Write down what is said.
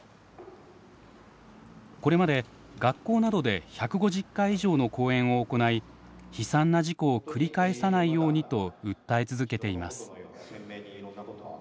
これまで学校などで１５０回以上の講演を行い悲惨な事故を繰り返さないようにと訴え続けています。